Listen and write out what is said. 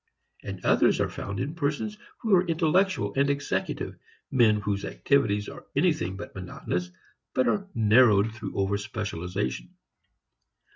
And others are found in persons who are intellectual and executive, men whose activities are anything but monotonous, but are narrowed through over specialization.